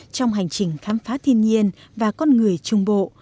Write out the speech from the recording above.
trong hành trình khám phá thiên nhiên và con người trung bộ